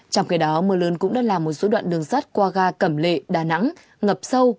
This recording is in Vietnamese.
trong khi đó mưa lớn cũng đã làm một số đoạn đường sắt qua ga cẩm lệ đà nẵng ngập sâu